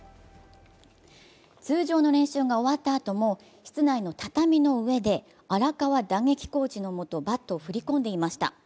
通常の練習が終わったあとも室内の畳の上で荒川打撃コーチのもとバットを振り込んでいました。